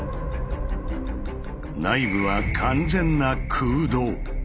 内部は完全な「空洞」。